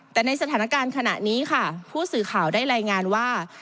แต่ในสถานการณ์ขณะนี้ค่ะผู้สื่อข่าวได้รายงานว่า